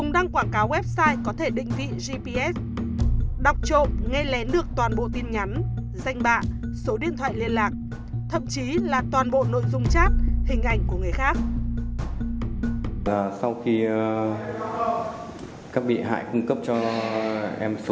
sau đấy bị hại sẽ chuyển tiền cho em